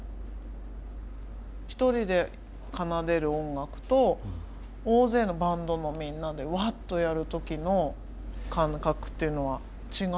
１人で奏でる音楽と大勢のバンドのみんなでわっとやる時の感覚っていうのは違いますか？